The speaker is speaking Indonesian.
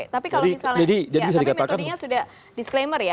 tapi metodenya sudah disclaimer ya